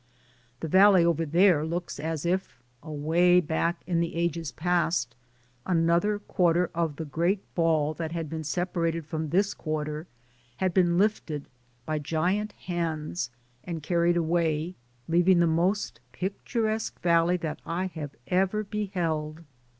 The valley over there looks as if — away back in the ages past — another quarter of the great ball that had been separated from this quarter, had been lifted by giant hands and carried away, leaving the most picturesque valley that I have ever beheld.